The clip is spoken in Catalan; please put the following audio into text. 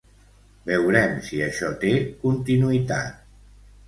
Veurem si això té continuïtat.